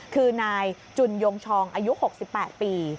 คือนายจุนยงชองอายุ๖๘ปี